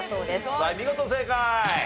はい見事正解！